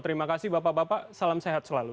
terima kasih bapak bapak salam sehat selalu